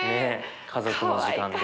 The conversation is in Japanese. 家族の時間で。